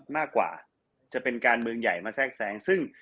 มากกว่าจะเป็นการเมืองใหญ่มาแทรกแซงซึ่ง